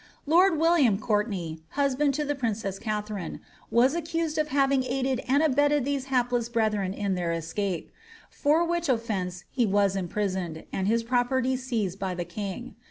Lord William Courtenay (husband to the princess Katharine) was accused of having aided and abetted these hapless brethren in their escape; for which offence he was impiisoned, and his property seized by the king.